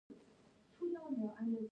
سږ کال د وطن رومي هېڅ نرخ نه لري.